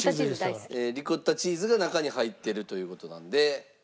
リコッタチーズが中に入ってるという事なので。